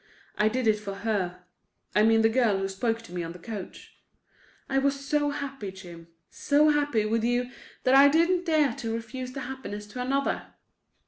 I did it for her—I mean the girl who spoke to me on the coach. I was so happy, Jim—so happy with you that I didn't dare to refuse that happiness to another.